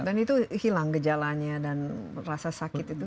dan itu hilang gejalanya dan rasa sakit itu